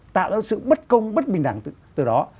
tạo ra sự bất công bất bình đẳng từ đó